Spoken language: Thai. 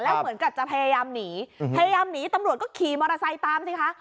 เหมือนกับจะพยายามหนีพยายามหนีตำรวจก็ขี่มอเตอร์ไซค์ตามสิคะ